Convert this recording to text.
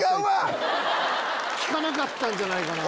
聞かなかったんじゃないかな。